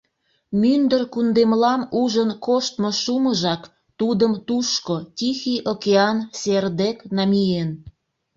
Мӱндыр кундемлам ужын коштмо шумыжак тудым тушко, Тихий океан сер дек, намиен.